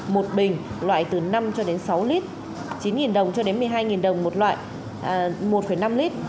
một bình loại từ năm cho đến sáu lít chín đồng cho đến một mươi hai đồng một loại một năm lít